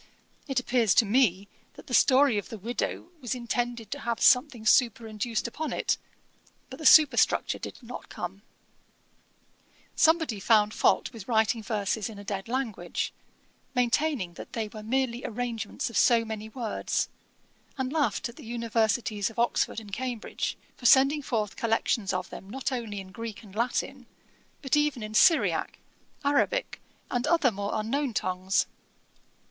It appears to me that the story of the widow was intended to have something superinduced upon it: but the superstructure did not come.' Somebody found fault with writing verses in a dead language, maintaining that they were merely arrangements of so many words, and laughed at the Universities of Oxford and Cambridge, for sending forth collections of them not only in Greek and Latin, but even in Syriac, Arabick, and other more unknown tongues.